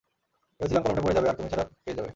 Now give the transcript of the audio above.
ভেবেছিলাম কলমটা পড়ে যাবে, আর তুমি ছাড়া পেয়ে যাবে।